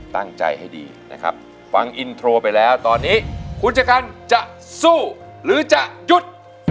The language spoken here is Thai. ตั้งใจให้ดีนะครับฟังอินโทรไปแล้วตอนนี้คุณชะกันจะสู้หรือจะหยุด